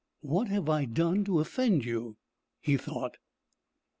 "What have I done to offend you?" he thought.